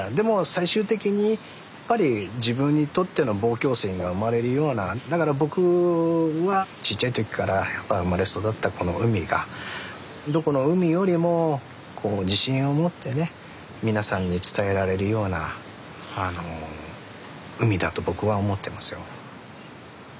最終的にやっぱり自分にとっての望郷心が生まれるようなだから僕はちっちゃい時からやっぱ生まれ育ったこの海がどこの海よりも自信を持ってね皆さんに伝えられるような海だと僕は思ってますよ。